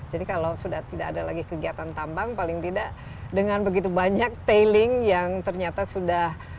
jadi kalau sudah tidak ada lagi kegiatan tambang paling tidak dengan begitu banyak tailing yang ternyata sudah